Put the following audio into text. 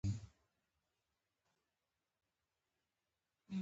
آیا د ملانصرالدین ټوکې د پند لپاره نه دي؟